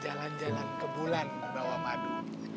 jalan jalan ke bulan bawah madu